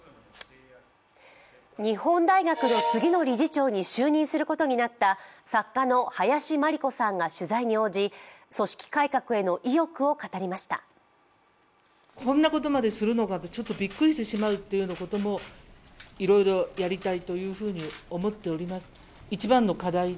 日本大学の次の理事長に就任することになった作家の林真理子さんが取材に応じ組織改革への意欲を語りました。